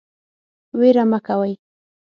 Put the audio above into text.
ویره مه کوئ